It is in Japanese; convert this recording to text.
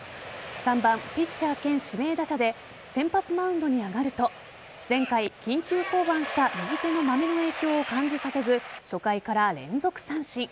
３番・ピッチャー兼指名打者で先発マウンドに上がると前回、緊急降板した右手のまめの影響を感じさせず初回から連続三振。